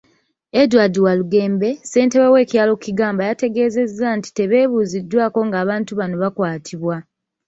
Edward Walugembe, ssentebe w'ekyalo Kigamba yategeezezza nti tebeebuuziddwako ng'abantu bano bakwatibwa.